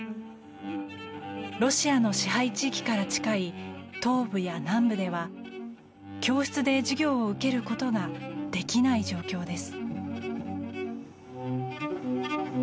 ロシアの支配地域から近い東部や南部では教室で授業を受けることができない状況です。